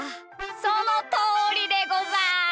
そのとおりでござる！